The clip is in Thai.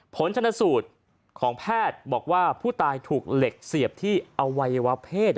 ผลชนสูตรของแพทย์บอกว่าผู้ตายถูกเหล็กเสียบที่อวัยวะเพศ